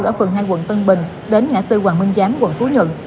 ở phường hai quận tân bình đến ngã tư hoàng minh giám quận phú nhuận